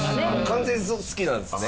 完全好きなんすね